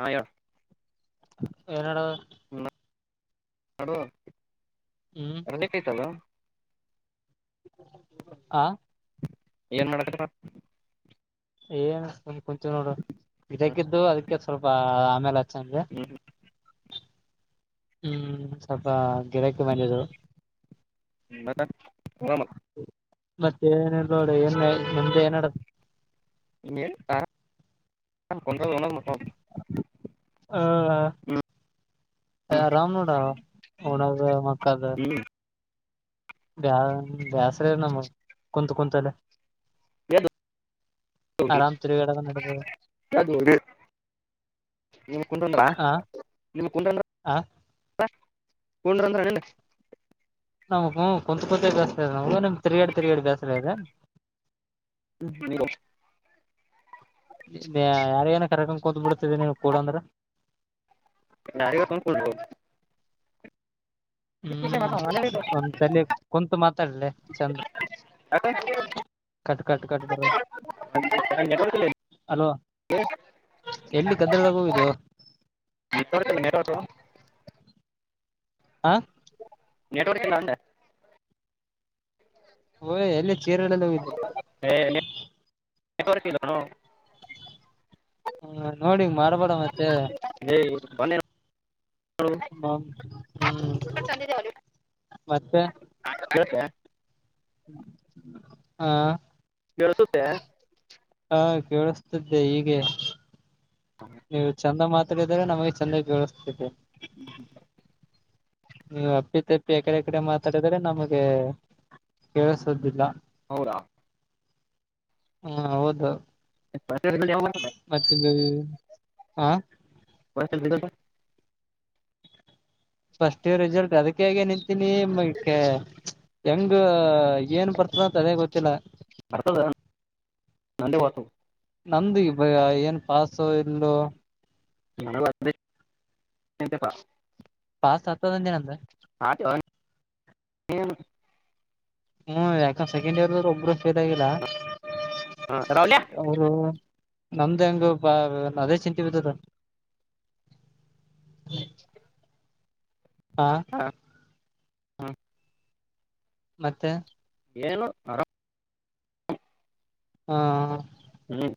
ಹಾಯ ಏನಡು ನಡುವ ಹ್ಮ್ ರಜೆಕ್ಯ [inaudible] ಲ್ಲ ಹಾ ಏನ್ ಮಾಡಕ ಏನ್ ಒ ಕುಂಚು ನೋಡು ಇದಕ್ಕಿದ್ದು ಅದಕ್ಕೆ ಸ್ವಲ್ಪ ಆಮೇಲೆ ಚಂದ ಹ್ಮ್ ಹ್ಮ್ ಸ್ವಲ್ಪ ಗಿಡಕ್ಕೆ ಬಂದದು ಮತ್ತ ಮತ್ತೆ ಏನ ನೋಡು ಏನ್ ನಿಮ್ದೆ ಏನಡ ನೀ ಪ್ರ ಮತ್ತ ಹ ಹ್ಮ್ ಹ್ಮ್ ಹನಾಗ ಮಕ್ಕಾದ ಹ್ಮ್ ಬ್ಯಾ ಬೇಸ್ರ ನಮ್ಮ ಕುಂತ ಕುಂತಲ್ಲ ಯ ಆರಾಮ್ ತಿರುಗಾಡದ ನಡೀತದೆ ಯ ನಿಮ ಕುಟಂದ್ರಾ ಆ ನಿಮ ಕುಟಂದ್ರ ಆ ಹೊಂಡ ಅಂತಲ್ಲ [inaudible] ನಮ್ಗೂ ಕುಂತತ್ ಕುಂತ ಬೇಸ್ಲದೆ ನಮಗ ನಿಮ್ [inaudible] ತಿಗಡಿ ಬೇಸ್ಲ ಇದೆ ಹ್ಮ ಯಾರ ಏನ ಕರೆಕೊಂಡ್ ಕುತ್ ಬಿಡ್ತಿದೆ ನೀವ ಕಡ ಅಂದ್ರ ನಾರಗ ತಂದ್ಕೊಳ್ಬೋದು [unintelligible] ಹ್ಮ್ ಒಂದ್ ತಲಿ ನ ಕುಂತು ಮಾತಾಡ್ಲೆ ಚಂದ ಹ ಕಟ್ ಕಟ್ ಕಟ್ ಬರ [unintelligible] ಅಲೋ ಅದ ಎಲ್ಲಿ ಗದ್ದಲದಾಗ ಹೋಗಿದ್ದು [inaudible] ಮತನ್ನರತ ಆ ನೆಟ್ವರ್ಕ್ಲ್ಲಂದೆ ಓಯ್ ಎಲ್ಲ ಚೀರೆಲ್ಲೆಲ್ಲ ಹಿದ್ದಲ್ಲ ಎಫೀಲ್ಣೋ ಹ್ಮ ನೋಡಿ ಮಾಡಬೇಡ ಮತ್ತೆ ಹ ಹ್ಮ್ ಮತ್ತೆ ಹತ್ತ ಹಾ ಬೆಳಸುತ್ತೆ ಹಾ ಕೇಳಿಸ್ತಿದ್ದೆ ಹೀಗೆ ನೀವು ಚಂದ ಮಾತ್ರ ನಮಗೆ ಚೆಂದಾಗಿ ಬೆಳಿಸಸ್ತತಿ ಹ್ಮ್ ಹ್ಮ ನೀವು ಅಪ್ಪಿ ತಪ್ಪಿ ಎಕಡೆ ಎ ಕಡೆ ಮಾತಾಡಿದರೆ ನಮಗೆ ಕೇಳಸುದಿಲ್ಲ ಹೌರಾ ಹಾ ಹೌದು ಯ ಹಾ ವಸಡದ ಫಸ್ಟ್ ಇರ್ ರಿಸಲ್ಟ್ ಅದಕ್ಕೆ ಏನಂತೀನಿ ಮಕ್ಕೆ ಹೆಂಗ ಏನ್ ಬರ್ತದ ಅದ ಗೊತ್ತಿಲ್ಲ ಬರ್ತದ ನೇ ಹೊತ ನಂದ ಬ ಏನ್ ಪಾಸು ಇಲ್ಲ ನ ಪಾಸ್ ಹದಂಜನ ಅಂದ ಹೇನು ಹ್ಮ್ ಯಾಕಂದ ಸೆಕೆಂಡ್ ಇಯರ್ ಒಬ್ರು ಫೇಲ್ ಆಗಿಲ್ಲ ಹಾ ರೌಲ ನಮ್ದ್ ಹೆಂಗ ಬಾ ಅದೇ ಚಿಂತ ಬಿದ್ದದ ಹಾ ಹಾ ಮತ್ತೆ ಏನುು ಅರಾಮ ಹಾ ಹ್ಮ್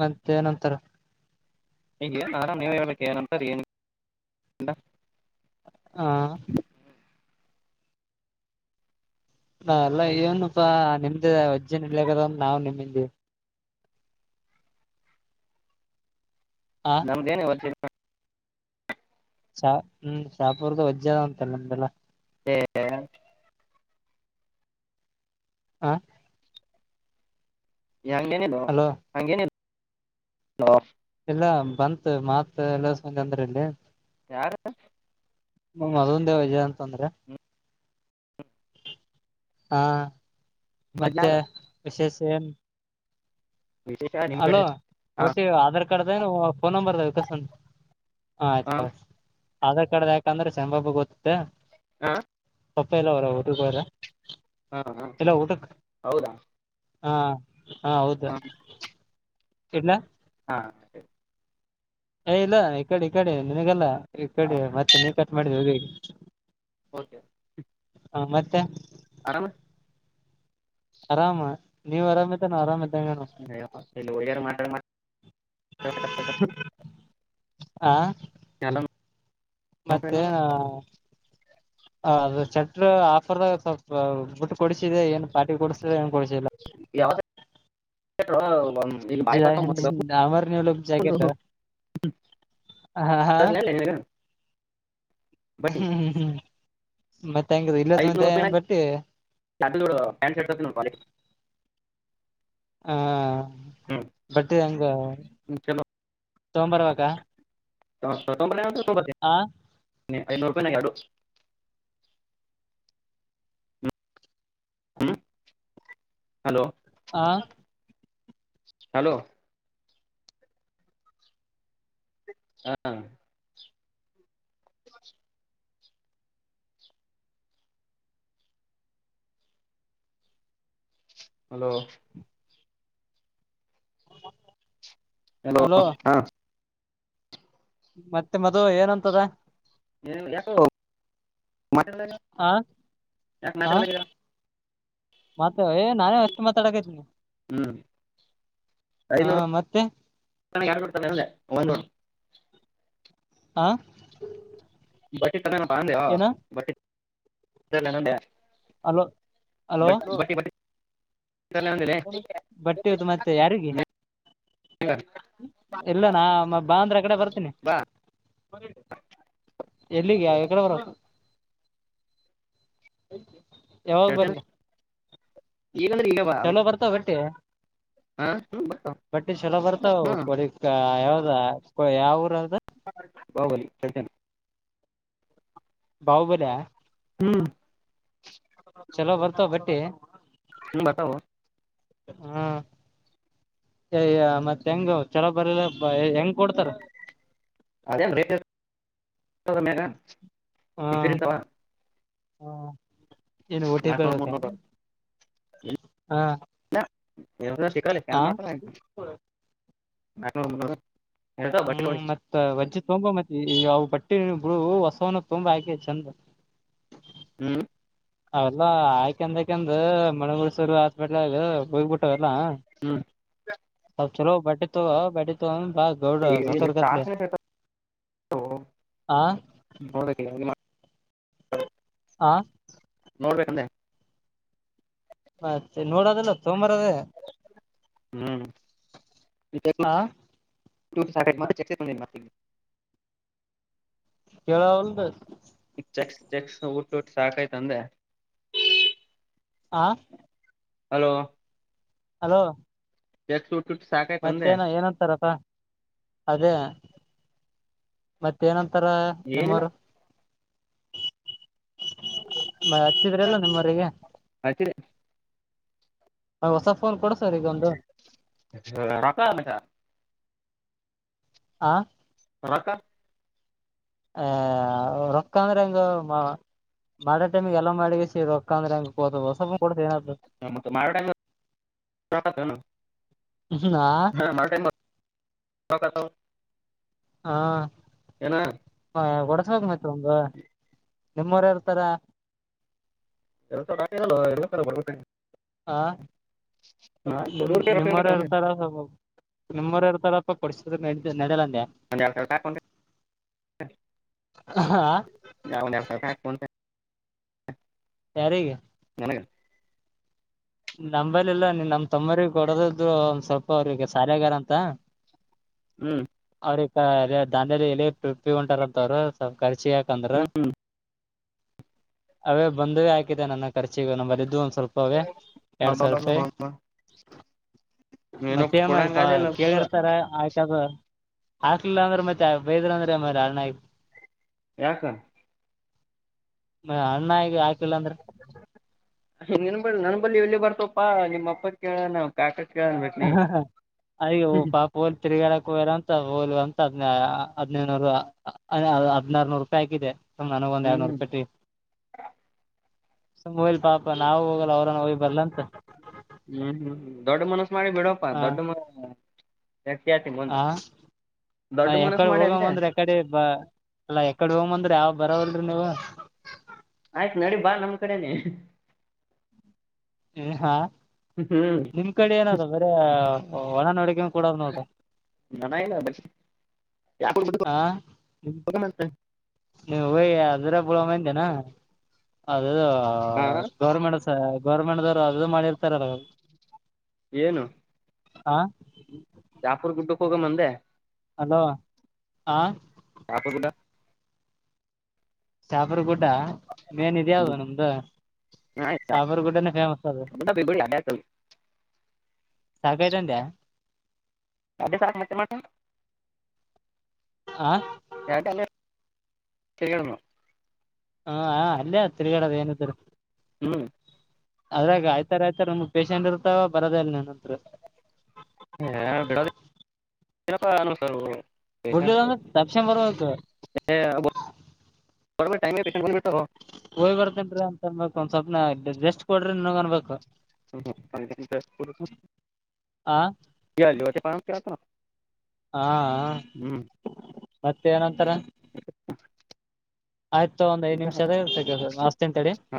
ಮತ್ತೆ ನಂತರ ಈಗನ್ ನಾರಾಮ ನೀವ ಹೇಳ್ಕ್ಕೆ ಏನಂತಾರೆ ಏನ್ ಹಾ ನಾ ಎಲ್ಲ ಏನುಪ್ಪಾ ನಿಮ್ದೆ ವಜ್ಜನ್ ಇಡ್ಲಿಕ್ಕದ ನಾವು ನಿಮ್ಮಿಂದಿ ಹ ನಮ್ದ ಏನ ಹೊರ್ತ ಶಾ ಹ್ಮ್ ಶಾಪುರದು ವಜ್ಜದ ಉಂತಲ್ಲ ನಮ್ದೆಲ್ಲ ಹ ಹಾ ಯ ಹಗೆೇನೆದ ಅಲೋ ಹಗೆನೆ ಇಲ್ಲ ಬಂತ ಮಾತ್ ಎಲ್ಲ ಅಂದ್ರ ಇಲ್ಲಿ ಯಾರು ನ್ ಮದ್ನ್ ದೇವ ವಿಜಯ ಅಂತ ಅಂದ್ರೆ ಹಾ ಮತ್ತೆ ಮಜಾಗ ವಿಶೇಷ ಏನ್ ವಿಶೇಷ ನಿಮ್ ಅಲೋ ಕಡೆ ಹಾ ಒಟ್ಟಿ ಆಧಾರ್ ಕಡೆದ ಏನು ಫೋನ್ ನಂಬರ್ದ ವಿಕಸ ಹ ಹಾ ಆಯ್ತು ಆಧಾರ್ ಕಾರ್ಡ್ ಯಾಕಂದ್ರೆಂಬಾಬ ಗೊತ್ತೆ ಹಾ ಪಪ್ಪ ಎಲ್ಲ ಅವರ ಹುಡುಗೋರ ಹಾ ಹಾ ಹೌದಾ ಹಾ ಹಾ ಹೌದ ಹಾ ಎಲ್ಲ ಹಾ ಸ ಏ ಇಲ್ಲ ಈ ಕಡೆ ಈ ಕಡೆ ನಿನಗಲ್ಲ ಈ ಕಡೆ ಮತ್ತೆ ನೀ ಕಟ್ ಮಾಡಿದ ಹೋಗ ಓಕೆ ಹ ಮತ್ತೆ ಆರಾಮ ಆರಾಮ ನೀವ್ ಆರಾಮತಾನ ಆರಾಮ ಇದ್ದಂಗನು ಾರ ಮಾಡ ಹಾ ಮತ್ತೆ ನೋಡ್ಕೊಂಡು ಅದು ಚ ಆಫರ್ದಾಗ ಸ್ವಲ್ಪ ಬಿಟ್ಟ ಕೊಡಿಸಿದೆ ಏನ್ ಪಾರ್ಟಿ ಕೊಡಸ್ರ ಏನ್ ಕೊಡಸಿಲ್ಲ [unintelligible] ಬರ್ತಾವ ಮತ್ತೆ ಗಪ್ಪು ಅಮಾರ ನೀ ಒ ಅಂತ ಜಕೆಟ್ ಹಾ ಹಾ ಹೋಗ್ತಾರಲ್ಲ ನಿನಗೆ. ಬಟ್ ಹ್ಮ್್ಮ್ ಹ್ಮ್ ಮತ್ತೆ ಹೆಂಗ ಇಲ್ಲ ತಂತ ಏನ ಬಟ್ಟಿ ನದು ಪ್ಯಾಂಟ್ ಶರ್ಟ್ ಹಾ ಹ್ಞೂ ಬಟ್ೆ ಹಂಗ ತೋಂಬರ್ರುವಾಗ ತ ಕಟೋ ಬನತ ಹಾ ನೀ ಐನೂರು ರಪಾಯಿನ ಯಡುು ಹಲೋ ಆ ಹಲೋ ಹಾ [unintelligible] ಹಲೋ ಹ ಹಲೋ ಹಾ ಮತ್ತೆ ಮದ್ ಏನಂತದ ಹ ಯಕ ಮಾಟ ಆ ಮಾಟಗ ಮತ್ತ ಏ ನಾನೇ ಅಷ್ಟು ಮಾತಾಡಕ ಇದ್ದೀನಿ ಹ್ಮ್ ಹಾ ಮತ್ತೆ ಡ್ತ ಒನ್ ಆ ಬಟ್ಟಿಟಕಾನ ಪಾ ಏನ ಬಟ್ಟ ಹ ಹಲೋ ಹಲೋ ಬಟ್ಟಿ ತರಲೇ ಅಂದಿಲ್ಲ ಬಟ್ಟೆದು ಮತ್ತೆ ಯಾರಿಗೆ ಇಲ್ಲ ನಾ ಬಾಂದ್ರ ಕಡೆ ಬರ್ತೀನಿ ಬಾ ಎಲ್ಲಿಗೆಾವ ಎಡೆ ಬರ ಯಾವಾಗ ಹೇಳ್ತೇನೆ ಬರ್ಲಿ ಈಗಂದ್ರೆ ಈಗ ಬಾ ಚಲೋ ಬರ್ತಾವ ಬಟ್ಟೆ ಹಾ ಹ್ಮ್ ಬರ್ತಾವ ಬಟ್ಟಿ ಚಲೋ ಬರ್ತಾವ ಹ್ಮ್ ಕೊಡಕ್ ಯಾವ್ದ ಯಾವ ಊರ ಅದ ಬಾಹುಬಲಿ ಚತನೆ ಬಾಹಬರಯ ಹ್ಮ್ ಚಲೋ ಬರ್ತವ ಬಟ್ಟಿ ನೀ ಬತ ಹ್ಮ ಅಯ್ಯ ಮತ್ತೆ ಹೆಂಗ ಚಲೋ ಬರಿಲ್ಲ ಹೆಂಗ್ ಕೊಡ್ತಾರ ಅದೇ ರಂತ ಹಾ ಏನು ನಾಲ್ಕುನೂರು ಟಕಳ್ಬೇಕ ಮುನ್ನೂರು ಹಾ ಹಾ ಶತ ನಕ ಹ್ಮ್ ಮತ್ ವಜ್ಜ ತೊಂಬ ಮತ್ತೆ ಅವವು ಬಟ್ಟೆ ಹಳ ಹೊಸವನು ತುಂಬಾ ಆಾಕೆ ಚಂದ ಹ್ಮ್ ಅವಲ್ಲಾ ಆಯ್ಕಂದಕಂದ ಮಣಗಸುರು ಆ ಟ್ ಇ ಬೋಗಬಿಟ್ಟಾವ ಎಲ್ಲ ಹ್ಮ್ ಸ್ಲ್ ಚಲೋ ಬಟ್ಟತ್ತು ಬಟ್ಟತ್ತು ಹಾ ಗೌಡ ಸಕ್ಕರ್ ಕತ್ಲೆ ಟಾರ್ಚನೆ ಹ ನೋಡ್ಬೇಕ ಆ ಅಲ ಮತ್ತೆ ನೋಡೋದಲ್ಲ ತೋಮ ಹ್ಮ್ ಆ ಕ ಚಚೆತ ಕೇಳ ಒಲ್್ದ ಚೆಕ್ಸ್ ಚಕ್ಸ್ ಊಟ ಟ್ಟ ಸಾಕೈ್ತ ಅಂದೆ ಹಾ ಹಲೋ ಹಲೋ ಎ ಸು ಮತ್ತೇನ ಏನಂತಾರಪ್ಪ ಅದೇ ಮತ್ತೆ ಮತ್ತ ಏನಂತಾರ ಏನಿಲ್ಲ ನಿಮ್ಮವರು ಮ ಹಚ್ಚಿದ್ರಲ್ಲ ನಿಮ್ಮವರಿಗೆ ಹಚ್ಚಿದೆ ಹೊಸ ಫೋನ್ ಕೊಡ ಹ ಕ ಮ ಹಾ ರಕ್ಕ ಆ ರೊಕ್ಕ ಅಂದ್ರೆ ಹಂಗ ಮಾಡೋ ಟೈಮಿಗೆ ಎಲ್ಲ ಮಾಡ ರೊಕ್ಕ ಅ್ರಂಗ ಹ ಮ ಮಾರಟ ನಾ ಹಾ ಮಾಡ ಹಾ ಏನ ಒಡಸ ಹೋಗ ಮತ್ತ ಒಂದು ನಿಮ್ಮರ ಇರ್ತಾರ ಎಲ್ಲ ಎರ ಬರ್ಬೇಕ ಆಾ ನಾನ್ ನಿಮ ಕೊಡೋರ್ ಕೈ ರೊಕ್ಕ ನಿಮ್ಮವರ ಇರ್ಬೇಕ ಅಂದೆ ಇರ್ತಾರ ನಿಮ್ಮವರ ಇರ್ತಾರಪ್ಪ ಪರಿಸ್ಥಿತಿ ನ ನಡಲ ಪ ಸಾವಪಾಯ ಗಾಾವದತ ಯಾರ ಈಗ ನನಗೆ ನಂಬಲ್ಲಿ ಇಲ್ಲ ನೀ ನಮ್ ತಮ್ಮ್ರ ಕೊಡದದರು ಒಂದ್ ಸ್ವಲ್ಪ ಅವ್ರಿಗೆ ಸಾಲಗಾರ ಅಂತ ಹ್ಮ್ ್ರ ದಾನ್ದಲ್ಲಿ ಎಲ್ಲಿಪ್ಪಿ ಉಂಟಾರಂತ ಅವ್ರು ಸ್ವಲ್ಪ ಖರ್ಚ ಯಾಕಂದ್ರ ಅವೇ ಬಂದುವೇ ಹಾಕಿದೆ ನನ್ನ ಖರ್ಚಿಗ ನಮ್ಮಲ್ಲಿದ್ದು ಒಂದ್ ಸ್ವಲ್ಪೇ ಲದ ಮಾಡ ಮತ್ತೆ ಮಾಡಪಾ ಕೇಳಿರ್ತಾರ ಆ ಕ್ಯದ ಹಾಕ್ಲಿಲ್ಲ ಅಂದ್ರ ಮತ್ತ ಬೈದ್ರ ಅಂದ್ರ ಎನ್ ಮಾಡ್ಲಿ ಅಣ್ಣ ಯಾಕ ಮ ಅಣ್ಣಗ ಹಾಕಿಲ್ಲ ಅಂದ್ರ. ಹ್ ನಿನ್ ಬಲ್ಲಿ ನನ್ ಎಲಿವ್ ಬರ್ತಪ್ಪಾ ನಿಮ್ಮ ಅಪ್ಪ ಕೇಳ್ಯನ ಕಾಕ ಹ ಅಯ್ಯೋ ಪಾಪ್ ಹೋಲ್ ತಿರಗ್ಯಡಕ್. ಕೊಗ್ಯಾರ್ ಅಂತ ಹೋಲ್ ಅಂತ ಹದ್ ಆ ಹದಿನೈದುನೂರು ಅ ಹದ ಹದ್ನಾರನೂರು ರೂಪಾಯಿ ಹಾಕಿದೆ. ಸುಮ್ ನನಗ ಒಂದ್ ಹ್ಮ್ ಹ್ಮ್ ಎರಡನೂರ ಟ್ಟಿ ಸುಮ್ ಹೋಗ್ಲಿ ಪಾಪಾ ನಾವು ಹೋಗಲ್ಲ ಅವ್ರನ್ನ ಹೋಗಿ ಬರ್ಲ ಅಂತ. ಹ್ಮ್ ದೊಡ್ಡ ಮನಸ ಮಾಡಿ ಬಿಡಪ್ಪಾ ಹಾ ದೊಡ್ಡ ಮನಸ ಮುಂದ ಮ ದೊಡ್ಡ ಮನಸ್ ಎಕಡೆ ಮಾಡಿ ಅಂದೆ ಹೋಗ್ಂದ್ರೆ ಎಕಡೆ ಅಲ್ಲ ಎಕಡೆ ಹೋಗ ಅಂದ್ರೆ ಯಾವ ಬರವಲ್ರಿ ನೀವು. ಆಯ್ತು ನಡಿ ಬಾ ನಮ್ ಕಡೆನೆ. ಹ್ಮ್ ಹಾ ಹ್ಮ್ ನಿಮ್ ಕಡೆ ಏನದ ಬರೆ ಹೊಲಾ ನೋಡಿಕ್ಯಂತ ಕೂಡದ್ ನೋಡ ಹನ ಇಲ್ ಬಚ್ [unintelligible] ನೀವು ಹೊಗಿ ಅದ್ರಗ ಬುಳ ಮಂದಿ ಏನ ಅದು ಆ ಹಾ ಗೌರ್ಮೆಂಟ್ ಸ ಗೌರ್ಮೆಂಟ್ ದವರು ಅದು ಮಾಡಿರ್ತಾರಲ್ಲ ಅವ್ರು ಏನು ಆ ಜಾಪುರ್ ಗುಡ್ಡಕ್ ಹೋಗಮ ಅಂದೆ. ಅಲೋ ಹಾ. ಶಾಪುರ್ ಗುಡ್ಡ. ಶಾಪುರ್ ಗುಡ್ ಡಾ ಮೇನ್ ಇದೆ ಅದ ಹ್ಮ್ ನಮ್ದು ಶಾಪುರ್ ಗುಡ್ಡನೆ ಫೇಮಸ್ ಅದ. [unintelligible] ಸಾಕ್ಯತ್ ಅಂದ್ಯ. ಎಡ್ಡೆ ಸಾಕ್ ಮತ್ತೆನ್ ಮಾಡ್ತೇನ. ಆ ತೀರ್ಗ್ಯಡಮು. ಹಾ ಹ ಅಲ್ಲೇ ತಿರುಗಾಡದ ಏನಿದ್ರು. ಹ್ಮ್ ಅದ್ರಾಗ ಐಯ್ತಾರ ಐಯ್ತರ ನಮ್ಮು ಪೇಶೆಂಟ್ ಇರ್ತಾವ ಬರದೆ ಇಲ್ ನನ್ ಹತ್ರ. ಹ ಬಿಡದ ಏನಪ್ಪ ನಮ್ ಸರು. ಪೇಸೆಂಟ್ ಬಿಡ್ಲಿಲ್ಲ ಅಂದ್ರೆ ತಪ್ಸನ್ ಬರ್ಬೇಕು ಏ ಗೋ ಗಾರ್ಮೆಂಟ್ ಟೈಮಿಗಿ ಪೆಸೆಂಟ್ ಹೋಗಿ ಬರ್ತೇನ್ರೀ ಅಂತ ಅನ್ಬೇಕ್ ಒಂದ್ ಸ್ವಪ್ನ ರೆಸ್ಟ್ ಕೊಡ್ರಿ ನೀನ್ಗ್ ಅನ್ಬೇಕ. ಹ್ಮ್ ಹಂಗ್ ಎನ್ ರೆಸ್ಟ್ ಕುಡುಮು. ಆ ಏ ಇವತ್ತೇ ಬಾ ಅಂತ ಕೇಳತಾನ್. ಹಾ ಹ ಮತ್ತ ಏನಂತರ. ಆಯ್ತು ತೋ ಒಂದ್ ಐದ್ ನಿಮಿಷ ಅದ ಇರ್ತಾ ಕದ ನಾ ಹಸ್ತಿನಿ ತಡಿ. ಹ್ಮ್